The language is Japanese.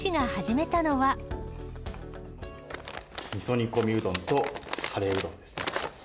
みそ煮込みうどんとカレーうどんですね。